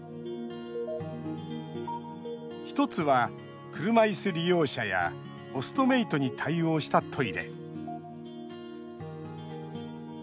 １つは車いす利用者やオストメイトに対応したトイレ。